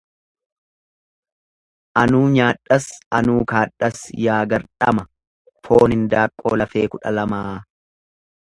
Anuu nyaadhas anuu kadhas yaa gardhama foon hindaaqqoo lafee kudha lamaa.